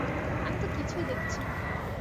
আমি তো কিছুই দেখছি না।